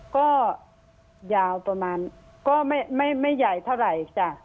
ก็ยาวประมาณก็ไม่ใหญ่เท่าไหร่จ้ะ